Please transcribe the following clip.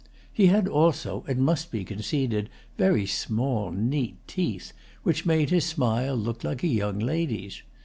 He had also, it must be conceded, very small neat teeth, which made his smile look like a young lady's.